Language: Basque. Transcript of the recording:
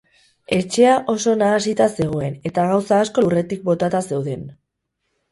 Etxea oso nahasita zegoen eta gauza asko lurretik botata zeuden.